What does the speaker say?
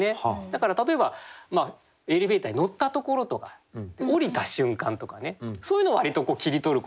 だから例えばエレベーターに乗ったところとか降りた瞬間とかねそういうのを割と切り取ることが多いんですけど。